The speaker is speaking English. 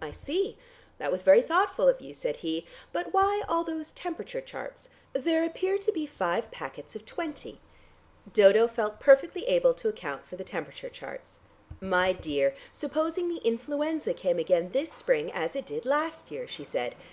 "I see. That was very thoughtful of you," said he. "But why all those temperature charts! There appear to be five packets of twenty." Dodo felt perfectly able to account for the temperature charts. "My dear, supposing the influenza came again this spring as it did last year," she said.